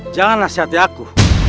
jangan nasihati aku